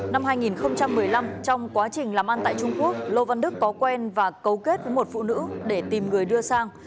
năm hai nghìn một mươi năm trong quá trình làm ăn tại trung quốc lô văn đức có quen và cấu kết với một phụ nữ để tìm người đưa sang